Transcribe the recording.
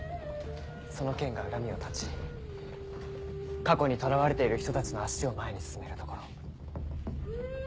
その剣が恨みを断ち過去にとらわれている人たちの足を前に進めるところを。